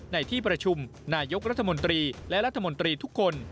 ในที่ประชุมนายกรัฐมนตรีและรัฐมนตรีทุกคน